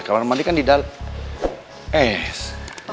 kamar mandi kan di dalem